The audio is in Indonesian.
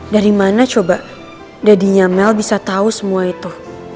dari mana coba dadinya mel bisa tau semua itu